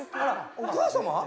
お母様？